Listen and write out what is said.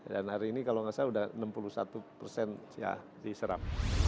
dan hari ini kalau gak salah sudah enam puluh satu persen ya diserap